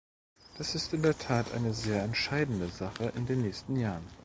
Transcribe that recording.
Das ist in der Tat eine sehr entscheidende Sache in den nächsten Jahren.